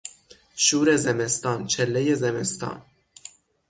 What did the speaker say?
شور زمستان، چلهی زمستان